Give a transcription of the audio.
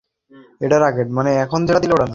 আমরা একসাথে ক্লাস করি।